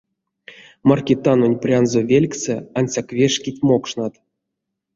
Маркитанонь прянзо велькссэ ансяк вешкить мокшнат.